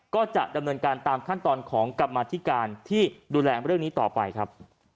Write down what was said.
ก็จะดำเนินการตามขั้นตอนของกรรมธิการที่ดูแลเรื่องนี้ต่อไปครับ